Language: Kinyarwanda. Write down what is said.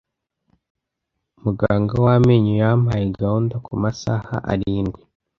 Muganga w amenyo yampaye gahunda kumasaha arindwi.